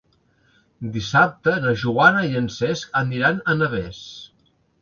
Dissabte na Joana i en Cesc aniran a Navès.